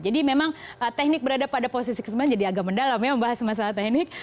jadi memang teknik berada pada posisi ke sembilan jadi agak mendalam ya membahas masalah teknik